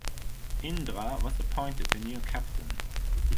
Indra was appointed the new captain.